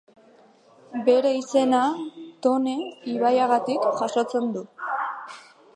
Bere izena Tone ibaiagatik jasotzen du.